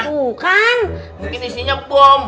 bukan mungkin isinya bom